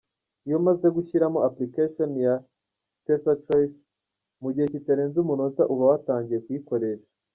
Iyo umaze gushyiramo application ya PesaChoice, mu gihe kitarenze umunota uba watangiye kuyikoresha.